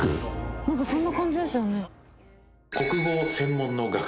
なんかそんな感じですよね。